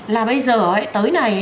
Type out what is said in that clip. là bây giờ tới này